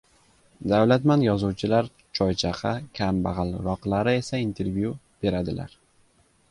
— Davlatmand yozuvchilar choychaqa, kambag‘alroqlari esa intervyu beradilar.